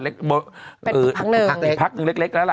เป็นพักหนึ่งอีกพักหนึ่งเล็กแล้วล่ะ